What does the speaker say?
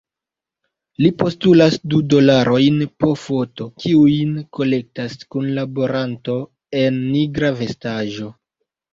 Li postulas du dolarojn po foto, kiujn kolektas kunlaboranto en nigra vestaĵo.